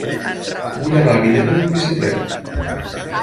Vull anar a Vinebre amb bicicleta.